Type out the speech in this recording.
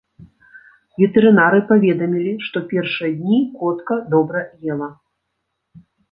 Ветэрынары паведамілі, што першыя дні котка добра ела.